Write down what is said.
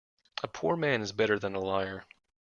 A poor man is better than a liar.